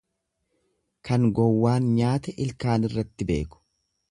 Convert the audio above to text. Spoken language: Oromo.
Kan gowwaan nyaate ilkaanirratti beeku.